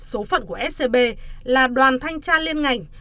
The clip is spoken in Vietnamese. số phận của scb là đoàn thanh tra liên ngành